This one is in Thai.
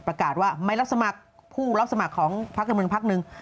ประกาศว่าไม่รับสมัครผู้รับสมัครของพักการเมืองพักหนึ่ง